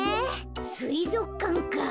すいぞくかんか。